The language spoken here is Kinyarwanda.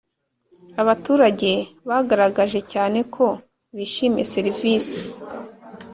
abaturage bagaragaje cyane ko bishimiye serivisi.